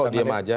kok diam aja